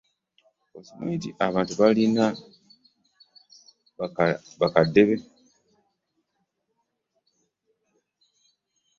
Okimanyi nti abantu abalima bakandede.